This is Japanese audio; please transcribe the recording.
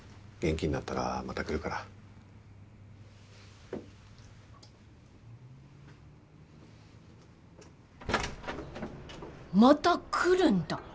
元気になったらまた来るからまた来るんだ？